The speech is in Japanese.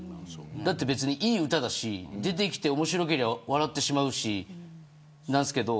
だって、別にいい歌だし出てきて面白ければ笑ってしまうんですけど。